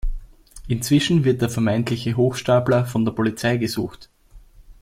Inzwischen wird der vermeintliche Hochstapler von der Polizei gesucht.